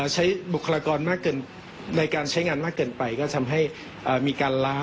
ใช้บุคลากรในการใช้งานมากเกินไปก็จะทำให้มีการล้า